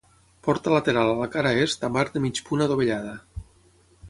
Porta lateral a la cara est amb arc de mig punt adovellada.